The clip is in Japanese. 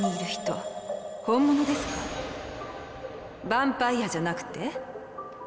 バンパイアじゃなくて？